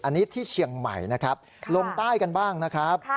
อันนี้ที่เชียงใหม่นะครับลงใต้กันบ้างนะครับ